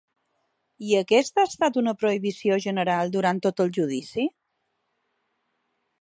I aquesta ha estat una prohibició general durant tot el judici?